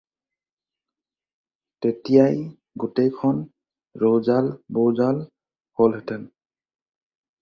তেতিয়াই গোটেইখন ৰৌজাল বৌজাল হ'লহেঁতেন।